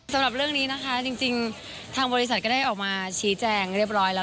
สำหรับเรื่องนี้นะคะจริงทางบริษัทก็ได้ออกมาชี้แจงเรียบร้อยแล้ว